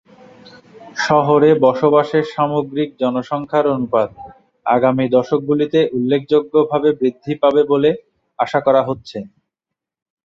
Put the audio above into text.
শহরে বসবাসের সামগ্রিক জনসংখ্যার অনুপাত আগামী দশকগুলিতে উল্লেখযোগ্যভাবে বৃদ্ধি পাবে বলে আশা করা হচ্ছে।